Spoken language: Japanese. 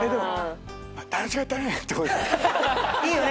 いいよね。